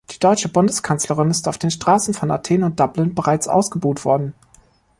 Die deutsche Bundeskanzlerin ist auf den Straßen von Athen und Dublin bereits ausgebuht worden.